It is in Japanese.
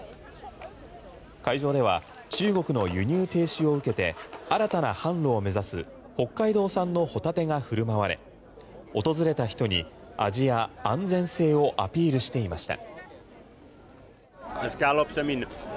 会場では中国の輸入停止を受けて新たな販路を目指す北海道産のホタテが振る舞われ訪れた人に味や安全性をアピールしていました。